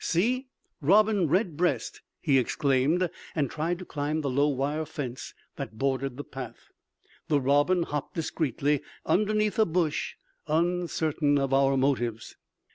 "See Robin Red breast!" he exclaimed, and tried to climb the low wire fence that bordered the path. The robin hopped discreetly underneath a bush, uncertain of our motives.